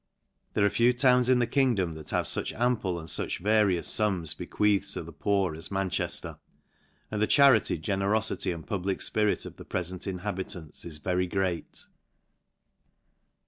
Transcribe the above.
There are few towns in the kingdom that have fuch ample and fuch various fums bequeathed to the. poor, as Manchefter ; and the charity,, generofity, and public fpirit of the prefent inhabitants is very great.